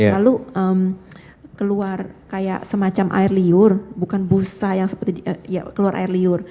lalu keluar kayak semacam air liur bukan busa yang seperti keluar air liur